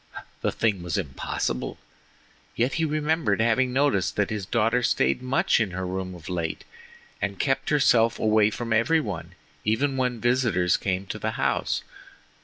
—the thing was impossible. Yet he remembered having noticed that his daughter stayed much in her room of late and kept herself away from every one, even when visitors came to the house.